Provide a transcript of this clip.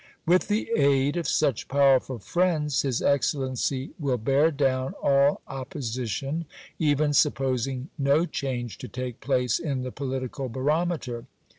With the aid of such powerful friends, his excellency will bear down all oppo sition, even supposing no change to take place in the political barometer.